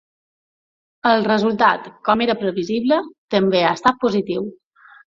El resultat, com era previsible, també ha estat positiu.